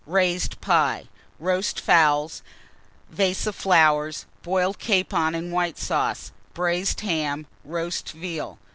Raised Pie. Roast Fowls. Vase of Boiled Capon Flowers. and White Sauce. Braised Ham. Roast Veal.